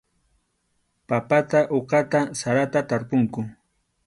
Papata uqata sarata tarpunku.